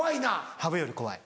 ハブより怖い。